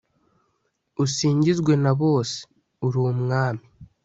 usingizwe na bose, uri umwami